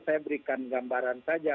saya berikan gambaran saja